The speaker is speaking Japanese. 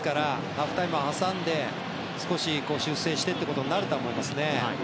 ハーフタイムを挟んで少し修正してってことにはなると思いますね。